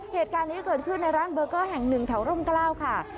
เหตุการณ์นี้เกิดขึ้นในร้านเบอร์เกอร์แห่งหนึ่งแถวร่มกล้าวค่ะ